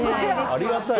ありがたい。